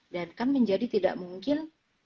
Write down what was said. dan kan menjadi tidak mungkin